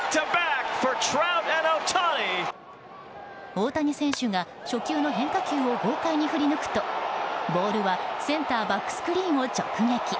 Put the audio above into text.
大谷選手が初球の変化球を豪快に振り抜くとボールはセンターバックスクリーンを直撃。